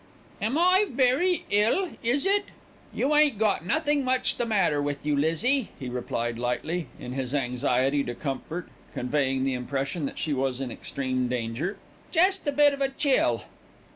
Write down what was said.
"Am I very ill? Is it " "You ain't got nothink much the matter with you, Lizzie," he replied lightly, in his anxiety to comfort, conveying the impression that she was in extreme danger. "Jest a bit of a chill."